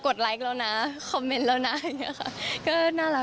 ก็ช่วยปันวิวช่วยดูช่วยแชร์อะไรอย่างนี้ตลอดค่ะ